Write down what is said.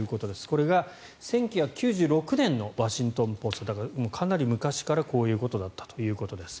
これが１９９６年のワシントン・ポストだからかなり昔からこういうことだったということです。